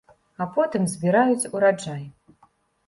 А потым збіраюць ураджай.